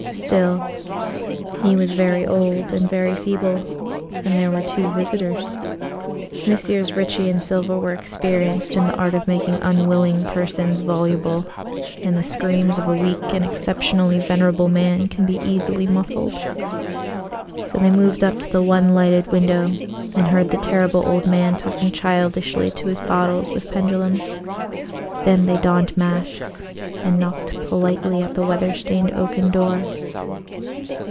Still, he was very old and very feeble, and there were two visitors. Messrs. Ricci and Silva were experienced in the art of making unwilling persons voluble, and the screams of a weak and exceptionally venerable man can be easily muffled. So they moved up to the one lighted window and heard the Terrible Old Man talking childishly to his bottles with pendulums. Then they donned masks and knocked politely at the weather stained oaken door.